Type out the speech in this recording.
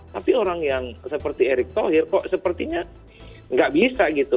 tapi orang yang seperti erick thohir kok sepertinya nggak bisa gitu